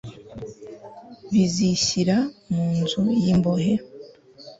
bazishyira mu nzu y imbohe